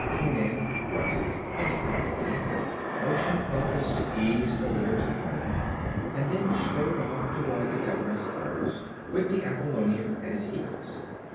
Conan grunted enigmatically, motioned Balthus to ease the litter to the ground, and then strode off toward the governor's quarters, with the Aquilonian at his heels.